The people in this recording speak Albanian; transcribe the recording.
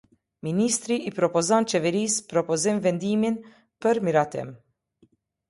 Ministri i propozon Qeverisë propozim vendimin për miratim.